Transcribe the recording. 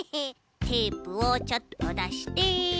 テープをちょっとだして。